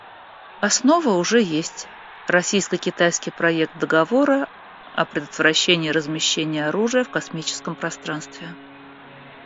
Основа уже есть — российско-китайский проект договора о предотвращении размещения оружия в космическом пространстве.